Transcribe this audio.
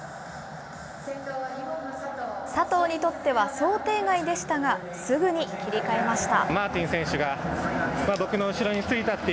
佐藤にとっては想定外でしたが、すぐに切り替えました。